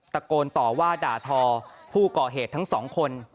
ตะโกนต่อว่าด่าทอผู้ก่อเหตุทั้งสองคน